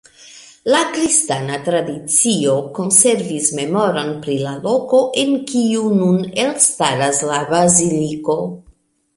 La kristana tradicio konservis memoron pri la loko, en kiu nun elstaras la Baziliko.